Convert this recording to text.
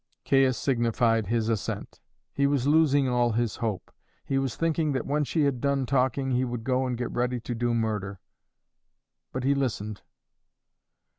Caius signified his assent. He was losing all his hope. He was thinking that when she had done talking he would go and get ready to do murder; but he listened.